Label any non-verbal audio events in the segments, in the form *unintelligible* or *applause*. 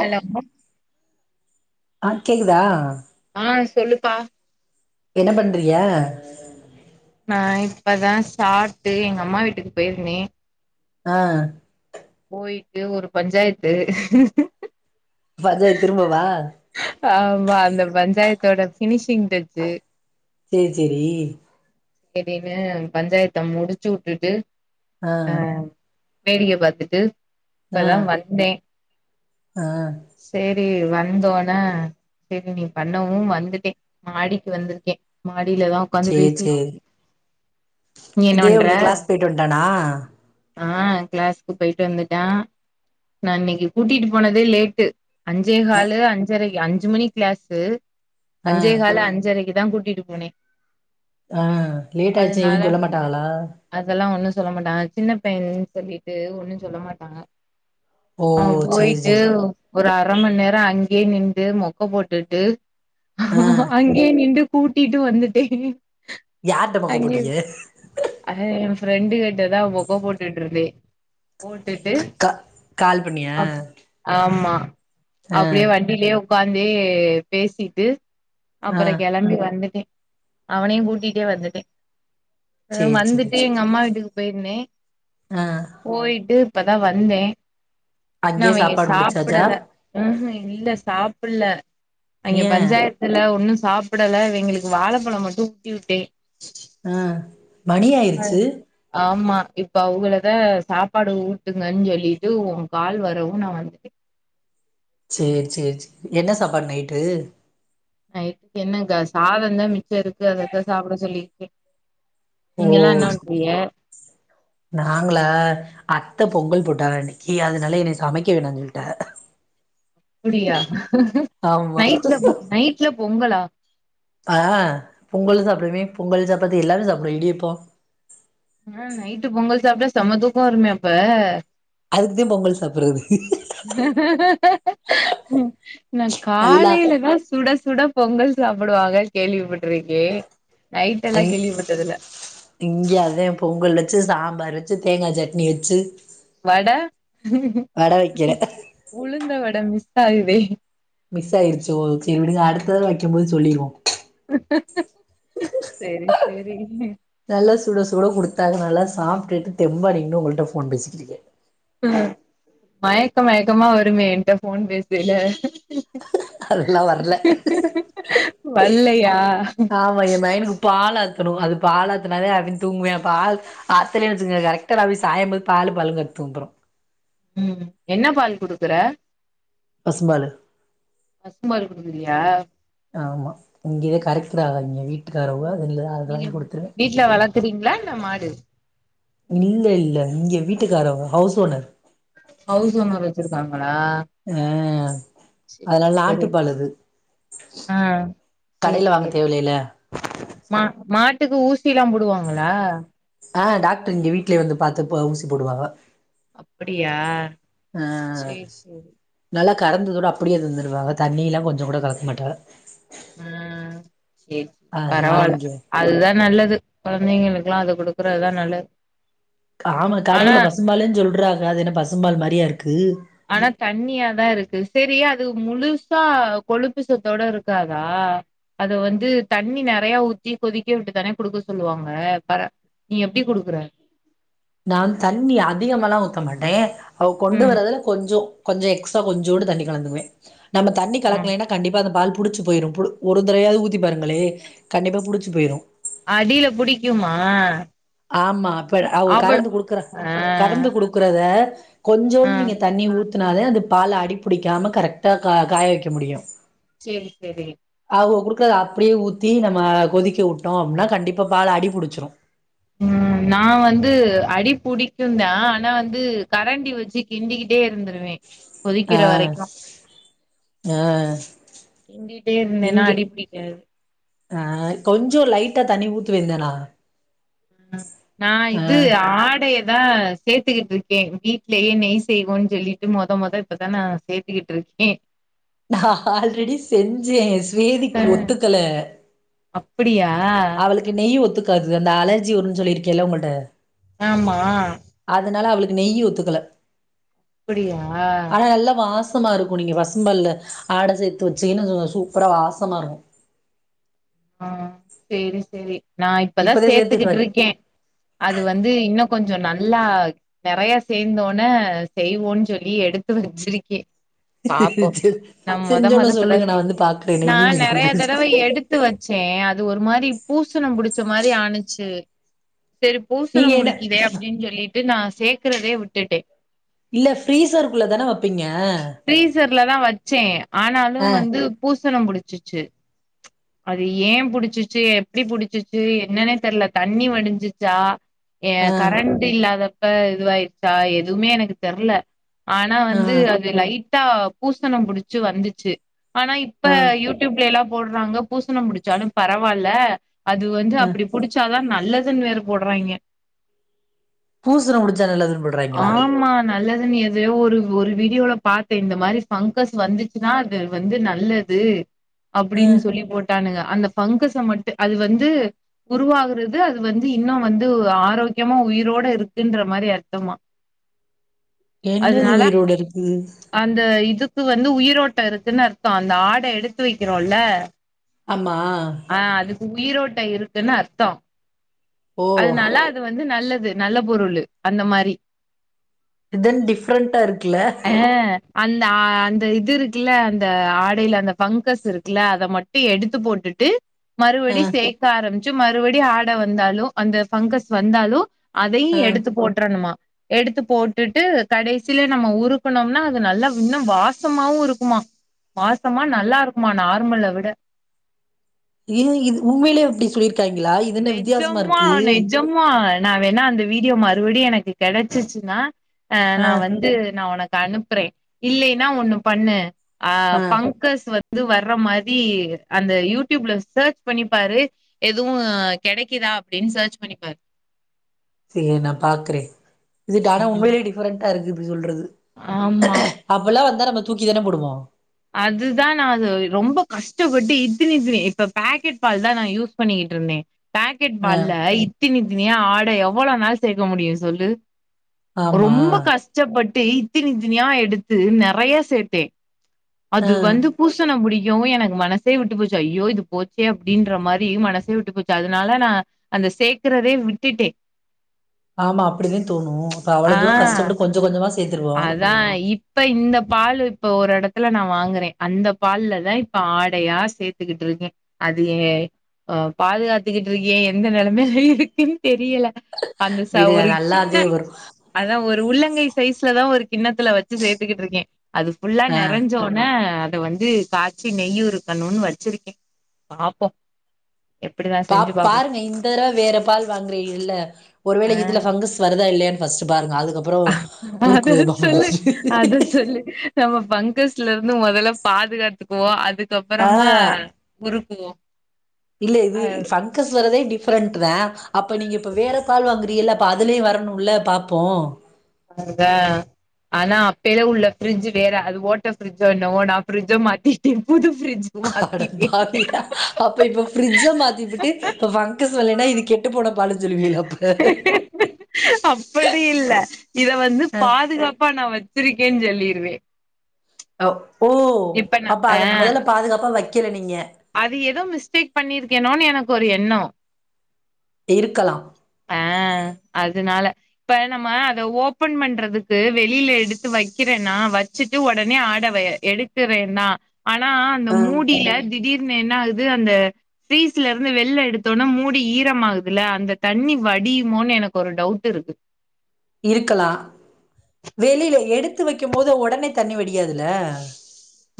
Hello *inaudible* ஆஹ் கேக்குதா ஆஹ் சொல்லுப்பா என்ன பண்றிய நா இப்பதா சாப்ட்டு எங்க அம்மா வீட்டுக்கு பெய்ருந்தே ஆஹ் போயிட்டு ஒரு பஞ்சாயத்து பஞ்சாயத் திரும்பவா ஆமா அந்த பஞ்சாயத்தோட ஃபினிஷிங் டச்சு செரி செரி செரினு பஞ்சாயத்த முடிச்சு உட்டுட்டு ஆ வேடிக்க பாத்துட்டு ஆ இப்பதா வந்தே ஆ செரி வந்தோனே செரி நீ பண்ணவு வந்துட்டே மாடிக்கு வந்திருக்கே மா மாடியிலதா உட்காந்து சேரி சேரி பேசிட்டுக்கே இதே உங்க கிளாஸ் போயிட் வண்டானா ஆ கிளாஸ்க்கு போயிட்டு வந்துட்டா நா இன்னிக்கு கூட்டிட்டு போனதே லேட்டு அஞ்சே அ காலு அஞ்சரை அஞ்சு மணி கிளாஸு ஆ அஞ்சே காலு அஞ்சரைக்கு தா கூட்டிட்டு போனே ஆ லேட் ஆச்சே அதனால எதும் சொல்ல மாட்டாங்களா அதெல்லா ஒன்னு சொல்ல மாட்டாங்க சின்ன பையன்னு சொல்லிட்டு ஒன்னு சொல்ல மாட்டாங்க ஓ ஆ சேரி போய்ட்டு சேரி ஒரு ஆ அர மண் நேரோ அங்கயே நின்ட்டு மொக்க போட்டுட்டு ஆ அங்கே நிண்டு கூட்டிட்டு வந்துட்டே யார்ட்ட மொக்க போட்டிங்க அது எ ஃப்ரெண்டு கிட்ட தா மொக்க போட்டுட்டு இருந்தே *unintelligible* க கால் பண்ணியா ஆமா ஆ அப்டியே வண்டிலேயோ உக்காந்து பேசிட்டு ஆ அப்றோ கெளம்பி வந்துடே அவனையு கூட்டி டே வந்துட்டே அ சேரி சேரி வந்துட்டு சேரி எங்க அம்மா வீட்டுக் பெயிருந்தே ஆ போய்ட்டு இப்பதா வந்தே இன்னு அங்கேயே அவங்க சாப்பாடு முடிச்சாச்சா சாப்பிடல ம்ஹூம் இல்ல சாப்பிட்ல்ல அங்க ஏ பஞ்சாயத்துல ஒண்ணு சாப்புடல இவங்களுக்கு வாழபழ மட்டு ஊட்டி விட்டே ஆ மணி ஆயிருச்சு இப்போ அவங்களதா சாப்பாடு ஊட்டுங்கன்னு சொல்லிட்டு உங்க கால் வரவு நா வந்துட்டே சேரி சேரி சேர் என்ன சாப்பாடு நைட்டு நைட் என்னங்க, சாதோந்தா மிச்சருக்கு. அததா சாப்பிட சொல்லியிருக்கே ஓ நாங்களா அத் அத்த பொங்கல் போட்டாக இன்னைக்கி அதனால என்னைய சமைக்க வேணாம்னு சொல்லிட்டாக அப்பிடியா, ஆமா நைட்ல நைட்ல பொங்கலா ஆ பொங்கலு சாப்பிடுவேனே பொங்கல் சாப்பாத்தி எல்லாமே சாப்பிடுவே இடியாப்போ ஆ நைட்டு பொங்கல் சாப்ட்டா செம தூக்கோ வருமே அப்ப அதுக்குதே பொங்கல் சாப்புர்றது. *unintelligible* நா நல்லா காலையில தா சுட சுட பொங்கல் சாப்புடுவாங்க, கேள்விப்பட்டுருக்கே. ஐ இங்க அதே பொங்கல் வச்சு சாம்பார் வச் வச்சு தேங்காய் சட்னி வச்சு வட வட வைக்கிறே உளுந்த வட டம் மிஸ்சாகுதே மிஸ் ஆயிச்சோ செரி விடுங்க அடுத்த தடவ வைக்கும் போது சொல்லிருவோ சேரி சேரி நல்லா சுட சுட குடுத்தாங்க நல்லா சாப்ட்டுட்டு தெம்பா நின்னு உங்கள்ட்ட போன் பேசிட்டு இருக்கே ஆ மயக்க மயக்கமா வருமே ஏன்ட்ட ஃபோன் பேசயில. அதெல்லா வர்ல வல்லையா ஆமா ஏ பையனுக்கு பால் ஆத் ஊத்தணு அது பால்லாத்துனாவே அவே தூங்குவா. பால் ஆத்தலேன்னு வச்சுங்க கரெக்டா நா போய் சாயும் போது, பாலு பாலுன்னு தூங்குறோ ம் என்ன பால் குடுக்குற பசும்பாலு பசும்பால் குடுக்குறியா ஆமா இங்கயே கரைக்கறாக, இங்க வீட்டுக்காரவுக அது இல்ல அத வாங்கி குடுத்துருவே தரிங்ளா இந்த மாடு இல்ல இல்ல இங்க வீட்டுக்காரவங்க ஹவுஸ் ஓனர். ஹவுஸ் ஓனர் வச்சுருக் காங்க அ சேரி அதெல்லா சேரி ஆட்டுப்பாலது. ஆ சேரி கடையில வாங்க சேரி தேவல்லேல மா மாட்டுக்கு ஊசில்லா போடுவாங்களா ஆ டாக்டர் இங்க வீட்ல இருந்து பாத்து ஊசி போடுவாங்க. அப்படியா ஆ சேரி சேரி நல்லா கறந்ததோட அப்படியே தந்துருவாங்க தண்ணி எல்லா கொஞ்சோ கூட கலக்க மாட்டா சேரி அதனால பரவால்ல, இங்க அதுதா நல்லது கொழந்தைங்களுக்குல்லா அது குடுக்குறத நல்லது காம ஆனா கடையில பசும்பால் சொல்றாங்க அது என்ன பசும்ம்பால் மாரியா இருக் ஆனா தண்ணியாதான் இருக்கு சரியாய் அது முழுசா கொழுப்பு சத்தோட இருக்காதா அத வந்து தண்ணி நெறைய ஊத்தி கொதிக்க விட்டுதானே குடுக்க சொல்லுவாங்க பற நீ எப்படி குடுக்குற நான் தண்ணி அதிகமல்லாம் ஊத்த மாட்டேன் அவ கொண்டு ம் வரறதுல கொஞ்சம் கொஞ்சம் எக்ஸ்ட்ரா கொஞ்சோடு தண்ணி கலந்துங்கவேன் நம்ம தண்ணி ம் கலக்கலன்னா கண்டிப்ப அந்த பால் புடிச்சு போயிரும் பு ஒரு தடவையாவது ஊத்தி பாருங்களே கண்டிப்பா புடிச்சு போயிரும் அடியில புடிக்குமா ஆமா அப்ப அவங்க அவள் கலந்து குடுக்குற கலந்து ஆ கறந்து குடுக்குறத கொஞ்சோ ஆ நீங்க தண்ணி ஊ த்னாலே பால் அடிபிடிக்காம கரெக்டா காய வைக்க முடியும் செரி சரி அவுங்க கொடுக்கறத அப்படியே ஊத்தி நம்ம கொதிக்க விட்டோம் அப்படின்னா கண்டிப்பா பால் அடிபிடிச்சிடும் உஹம் நான் வந்து அடி பிடிக்கும்த ஆனா வந்து கரண்டி வச்சு கிண்டிக்கி ட்டே இருந்துறுவேன் ஆ கொதிக்கிற வரைக்கும் ஆ கிண்டிகிட்டே இருந்தேனா இங்க அடிபிடிக்காது டா தண்ணி ஊத்தி வீங்கதானா ஹ நான் இது ஆடை தான் சேத்துக்கிட்டு இருக்கேன் வீடலேயே நெய் செய்வோன்னனு சொல்லிட்டு மொத மொதல் இப்பதான் நான் சேத்துக்கிட்டு இருக்கேன் நான் ஆல்ரெடி செஞ்சேன் சொதிக்கு ஒத்துக்கல அப்படியா அவளுக்கு நெய் ஒத்து காது அந்த அலர்ஜி வரும் சொல்லிருக்கேன் இல்ல உன்கிட்ட ஆமா அதனால அவளுக்கு நெய் ஒத்துக்கல அப்படியா மா இருக்கும் நீங்க பசும்பால்ல ஆடை சேர்த்து வச்சீங்கன்னா சும்மா சூப்பரா வாசமா இருக்கும் ஆஹ் செரி செரி நா இப்பதான் இப்பதே சேத்துட்டு சேர்த்துக்கிட்டு வாரு இருக்கேன் அது வந்து இன்னும் கொஞ்சொ நல்லா நெறைய சேர்ந்த உன்ன செய்வோன்னு சொல்லி எடுத்து வெச்சி இருக்கேன் செஞ்சோன இப்பதா சொல்லுங்க நா செய் வந்து பாக்குறேன் நெய் *unintelligible* நீ சே அது ஒரு மாதிரி பூசணம் புடிச்ச மாதிரி ஆணச்சு செரி நீங்க பூசனம் என்ன முடிக்குதே அப்படின்னு சொல்லி இது நான் சேக்கிறதே விட்டுட்டேன் இல்ல ஃப்ரீசருக்குள்ள தான வப்பீங்க ஃப்ரீசர்லதான் வச்சேன் ஆ ஆனாலும் வந்து பூச பூசனம் புடிச்சிச்சு அது ஏன் புடிச்சிச்சு எப்டி புடிச்சிச்சு என்னன்னே தெரில தண்ணி வடிஞ்சிச்சா ஏ ஆ கரண்ட்டு இல்லாத இப்ப இதுவாயிருச்சா எதுவுமே எனக்கு தெர்ல ஆனா ஆ வந்து அது லைட் டா பூசணோ புடிச்சு வந்துச்சு ஆனா இப்ப ஆ யூ டியூப்ல எல்லா போடுறாங்க பூசண புடிச்சாலும் பரவாயில்ல அது வந்து ஆ அப்டி புடிச்சாதா நல்லது மிஷன்ல வேற போடுறாய்ங்க பூசனோ புடிச்சா நல்லதுன்னு போடுறாய்ங்களா நீ எதையோ ஒரு ஒரு வீடியோல பாத்தே இந்த மாதிரி பங்கஸ் வந்துச்சுன்னா அது வந்து நல்லது ஆ அப்படின்னு சொல்லி போட்டு ங்க அந்த பங்கஸ மட்டு அது வந்து உருவாகறது அது வந்து இன்னோ வந்து ஆரோக்கியமா உயிரோட இருக்குன்ற மாதிரி அர்த்தமா என்னது அதனால உயிரோட இருக்கு ப்பு வந்து உயிரோட்டோ இருக்குன்னு அர்த்தம் அந்த ஆட எடுத்து வைக்றோம்ல அ உயிரோட்டோ இருக்குன்னு அர்த்தம் ஓ அதனால அது வந்து நல்லத் அது நல்ல பொருளு அந்த மாரி இதென் டிஃப்ரெண்டண்டா இருக்குல்ல ஆ அந்த அந்த இது இருக்குல்ல அந்த ஆடைல அந்த பஃங்கஸ் இருக்குல்ல அத மட்டோ எடுத்து போட்டுட்டு டு அ மறுபடி சேக்க ஆரம்பிச் மறுபடியும் ஆடை வந்தாலோ அந்த பங்கஸ் வந்தாலோ அதையு அ எடுத்து போட்டுரணுமா எடுத்து போட்டுட்டு கடைசில நம்ம உறுக்குணோம்னா அது நல்லா இன்னும் வாசமாவோ இருக்குமா வாசமா நல்லா இருக்குமா நார்மலா விட ஏ இது உண்மையிலே எப்டி நெஜமா நெஜமா நான் வேணா அந்த வீடியோ மறுபடியும் எனக்கு கெடைச்சிச்சுன்னா அ ஆ நா வந்து நா உனக்கு அனுப்புறே இல்லேன்னா ஒண்ணு பண்ணு அ ஆ பங்கஸ் வ இது வர்ற மாதி அந்த யூ டியூப்ல சர்ச் பண்ணிப்பாரு எதுவும் கிடைக்குதா அப்படின்னு சர்ச் பண்ணிப்பாரு செரி நா பாக்குறே எப்டி சொல்றது ஆமா தா நம்ம தூக்கி தானே போடுவோ அதுதா நா அது ரொம்ப கஷ்டப்பட்டு இத்தினி இத்தினி இப்ப பேக்கெட் பால்தா நா யூஸ் பண்ணிக்கிட்டு இருந்தே பாக்கெட் ஆ பால்ல இத்தினி இ இத்தினிய ஆடை எவ்ளோ உன்னால சேக்க முடியு சொல்லு ஆமா ரொம்ப கஷ்டப்பட்டு டேய் இத்தினி இத்தினியா எடுத்து நெறைய சேத்தே ஆ அது வந்து பூசண புடி யோ எனக் மனசே விட்டுப் போச்சு ஐயோ இது போச்சே அப்டின்ற மாரி மனசே விட்டுப் போச்சு அதுனால நா அந்த சேக்கரரே விட்டுட்டே ஆமா அப்டிதே தோணோ இப்ப அவள ஆ தூரோ கஷ்டப்பட்டு கொஞ்சோ கொஞ்சோமா சேத்திர்கோ அதான் சூப்பருங்க. இப்ப இந்த பால் இப்ப ஒரு எட ல்ல நா வாங்குறே அந்த பால்லதா இப்ப ஆடையா சேத்துக்கிட்டுருக்கே அது ஏய் அ பாதுகாத்துக்கிட்டு இருக்கே எந்த நெலமைல இருக்குன்னு தெரியல அந்த ச விடு ஒரு சின்ன நல்லாதே வரு அதா ஒரு உள்ளங்கை சைஸ்லதா ஒரு கிண்ணத்துல வச்சு சேத்துக்கிட்டு இருக்கே அது ஃபுல்லா ஆ நெ ன அத வந்து காச்சி நெய்யுருக்கணுன்னு வச்சிருக்கே பாப்போ பாப் பாருங்க இந்த தடவ வேற பால் வாங்குறிகல்ல ஒருவேளை ஆ இதுல ஃபங்கஸ் வருதா இல்லையானு ஃபர்ஸ்ட்டு பாருங்க அதுக்கப்பறோ அத உருக்கு *unintelligible* நம ஃபங் கஸ்ல இருந்து மொதல்ல பாதுகாத்துக்குவோ அது ஆ தொப்பறமா உரு ல்லியா இல்ல இது ஃபங்கஸ் வரதே டிஃபரண்ட்தா அப்ப நீங்க இப்ப வேற பால் வாங்குறீகள்ள இப்ப அதுலயு வரணுல பாப்போ அதா ஆனா அப்பேலே உள்ள ஃப்ரிட்ஜ் வேற அது ஓட்ட ஃப்ரிட்ஜ்சோ என்னவோ நா ஃப்ரிட்ஜ மாத்திட்டே புது ஃப்ரிட்ஜ் அட மாத்திட்டேன் பாவி அப்ப இப்ப ஃப்ரிட்ஜ மாத்திபுட்டு இப்ப ஃபங்கஸ் வல்லனா இது கெட்டு போன பாலுன்னு சொல்லுவீங்களா அப்ப அப்படி இல்ல இத வந்து பாதுகாப்பா நா வச்சிருக்கேன்னு சொல்லிரு துவே அவ் ஓ அப்ப ஆ அத மொதல்ல பாதுகாப்பா வை கீழ நீங்க அது ஏதோ மிஸ்டேக் பண்ணிருக்கேனோனு எனக்கொரு எண்ணோ இருக்கலா ஆஹ் அதனால இப்ப நம்ம அத ஓப்பன் பண்றதுக்கு வெளியில எடுத்து வெக்கிறேனா வெச்சுட்டு உடனே ஆட வ எடுத்துறேனா ஆனா அந்த ஆ மூடில திடீ னு என்ன ஆகுது அந்த ஃப்ரீஸ்ல இருந்து வெளிய எடுத்தோனா மூடி ஈரம் ஆகுதுல்ல அந்த தண்ணி வடியுமோன்னு எனக்கு ஒரு டவுட் இருக்கு இருக்கலா வெளில எடுத்து வெக்கும்போது உடனே தண்ணி வடியாதில்ல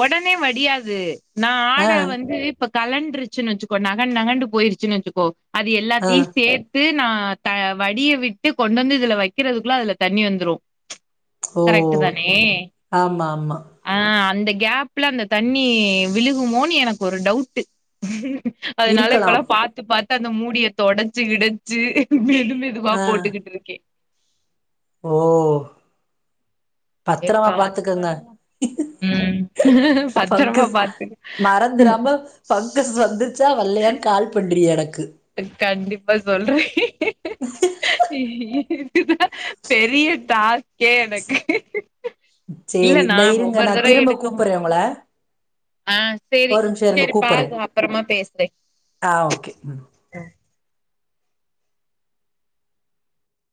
உடனே வடியாது நா ஆ ஆட வந்து இப்ப கலண்டுரு ச்சு வெச்சுக்கோ நக நகண்டு போயிருச்சுனு வெச்சுக்கோ அது ஆ எல்லாத்தையு சேத்து நா ஆஹ் த வடிய விட்டு கொண்டு வந்து இதுல வெக்கிறதுக்குள்ள அதுல தண்ணி வந்துரு ப்ச் ஓ கரெக்ட் தானே ஆமா ஆமா ஆஹ் அந்த கேப்ல அந்த தண்ணி விழுகுமோன்னு எனக்கு ஒரு டவுட் அதனால இப்பெல்லா இருக்கலாம் பாத்து பாத்து அந்த மூடியை தொடச்சு கிடச்சு மெதுவா ஆ போட்டுகிட்டு இருக்கே ஓ சரி பத்திரமா பாத்து பாத்துக்கங்க பண்ணுவோம். ம். பத்திரமா ஃபங்கஸ் பாத்து மறந்துறாம ஃபங்கஸ் வந்துச்சா வல்லயானு கால் பண்றீ எனக் கண்டிப்பா சொல்ற இதுதா பெரிய டாஸ்கே எனக்கு இல்ல சேரி இந்தா நான் இருங்க ஒவ்வொரு நா திரும்ப கூப்புர்ற உங்கள ஆஹ் சேரி ஒரு நிமிஷோ இருங்க சேரி கூப்புறே பாருங்க அப்புறமா பேசுதே ஆ ஓகே ம்